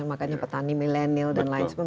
makanya petani milenial dan lain sebagainya